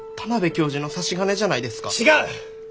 違う！